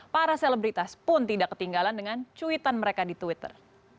para selebritas pun tidak ketinggalan dengan cuitan mereka di twitter